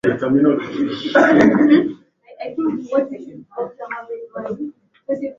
Mkakati wowote wa kitaifa lazima ukubalike na wadau